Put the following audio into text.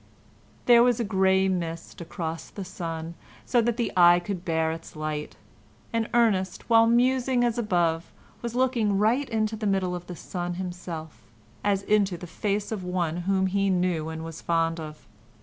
There was a gray mist across the sun, so that the eye could bear its light, and Ernest, while musing as above, was looking right into the middle of the sun himself, as into the face of one whom he knew and was fond of.